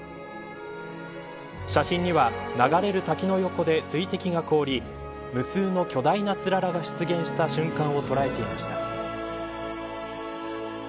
写真には、流れる滝の横で水滴が凍り無数の巨大なつららが出現した瞬間を捉えていました。